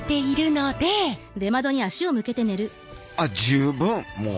あっ十分もう。